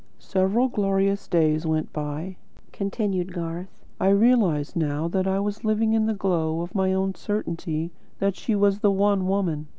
"Several glorious days went by," continued Garth. "I realise now that I was living in the glow of my own certainty that she was the One Woman.